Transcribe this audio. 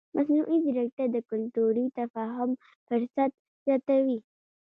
مصنوعي ځیرکتیا د کلتوري تفاهم فرصت زیاتوي.